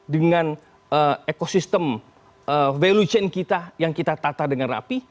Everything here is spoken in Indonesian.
dengan ekosistem value chain kita yang kita tata dengan rapi